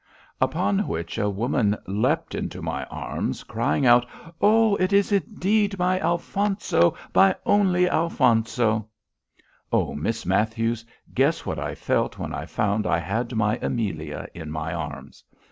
"Upon which a woman leapt into my arms, crying out 'O! it is indeed my Alphonso, my only Alphonso!' O Miss Matthews! guess what I felt when I found I had my Amelia in my arms.